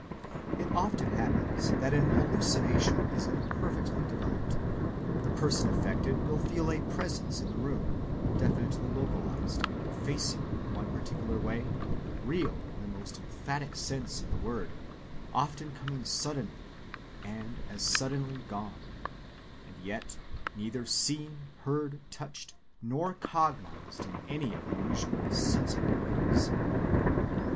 It often happens that an hallucination is imperfectly developed: the person affected will feel a "presence" in the room, definitely localized, facing in one particular way, real in the most emphatic sense of the word, often coming suddenly, and as suddenly gone; and yet neither seen, heard, touched, nor cognized in any of the usual "sensible" ways.